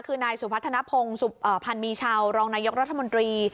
คือนายสุพัฒนภงพันมีชาวรองนายกรัฐมนตรี